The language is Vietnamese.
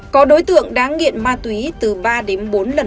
có đối tượng đã nghiện ma túy từ ba đến bốn lần